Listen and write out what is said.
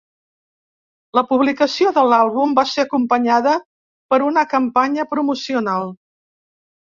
La publicació de l'àlbum va ser acompanyada per una campanya promocional.